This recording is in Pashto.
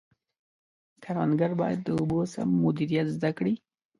کروندګر باید د اوبو سم مدیریت زده کړي.